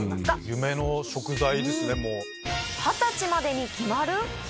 夢の食材ですね。